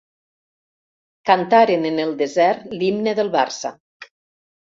Cantaren en el desert l'himne del Barça.